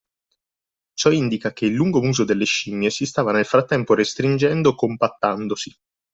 Ciò indica che il lungo muso delle scimmie si stava nel frattempo restringendo compattandosi